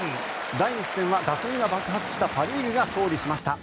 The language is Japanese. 第１戦は打線が爆発したパ・リーグが勝利しました。